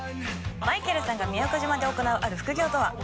まいけるさんが宮古島で行うある副業とは？